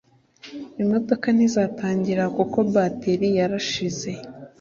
imodoka ntizatangira kuko bateri yarashize